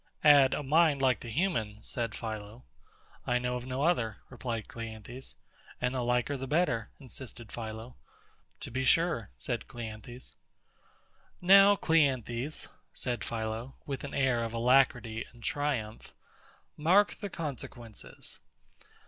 Add, a mind like the human, said PHILO. I know of no other, replied CLEANTHES. And the liker the better, insisted PHILO. To be sure, said CLEANTHES. Now, CLEANTHES, said PHILO, with an air of alacrity and triumph, mark the consequences.